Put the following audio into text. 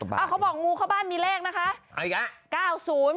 อ้าวเขาบอกงูเข้าบ้านมีแรกนะคะ